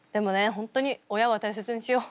本当に親は大切にしよう。